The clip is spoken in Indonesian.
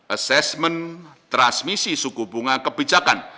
assessment transmisi suku bunga kebijakan